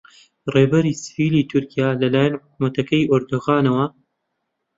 ڕێبەری سڤیلی تورکیا لەلایەن حکوومەتەکەی ئەردۆغانەوە